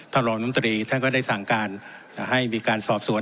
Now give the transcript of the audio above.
รองน้ำตรีท่านก็ได้สั่งการให้มีการสอบสวน